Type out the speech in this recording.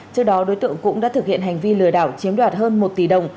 trước đó đối tượng cũng đã thực hiện hành vi lừa đảo chiếm đoạt hơn một tỷ đồng